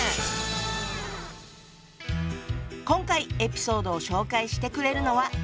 今回エピソードを紹介してくれるのは。